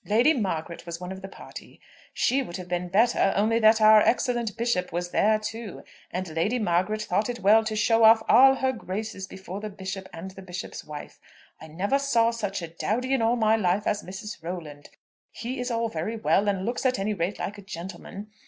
Lady Margaret was one of the party. She would have been better, only that our excellent Bishop was there too, and Lady Margaret thought it well to show off all her graces before the Bishop and the Bishop's wife. I never saw such a dowdy in all my life as Mrs. Rolland. He is all very well, and looks at any rate like a gentleman.